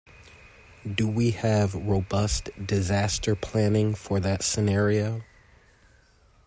Do we have robust disaster planning for that scenario?